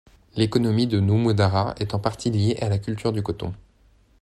L'économie de Noumoudara est en partie liée à la culture du coton.